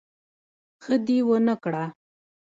ښه دي ونکړه